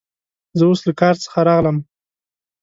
زه اوس له کار څخه راغلم.